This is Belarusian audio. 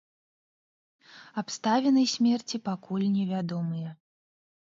Абставіны смерці пакуль невядомыя.